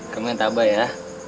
kamu yang tabah ya